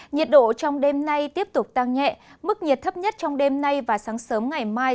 nhiệt độ trong đêm nay tiếp tục tăng nhẹ mức nhiệt thấp nhất trong đêm nay và sáng sớm ngày mai